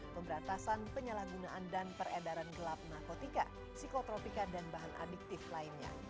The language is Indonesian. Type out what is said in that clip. pemberantasan penyalahgunaan dan peredaran gelap narkotika psikotropika dan bahan adiktif lainnya